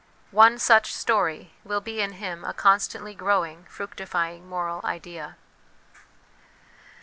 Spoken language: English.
One such story will be in him a constantly growing, fructifying moral idea.